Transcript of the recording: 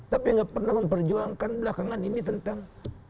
tapi gak pernah memperjuangkan belakangan ini tentang